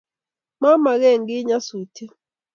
Momeke kiy kiy nyasutiet